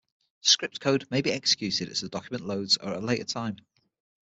Script code may be executed as the document loads or at a later time.